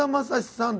さん